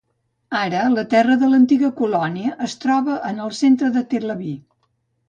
Ara, la terra de l'antiga colònia es troba en el centre de Tel Aviv.